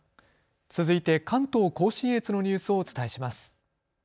続いて関東甲信越のニュースをお伝えします。